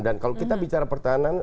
dan kalau kita bicara pertahanan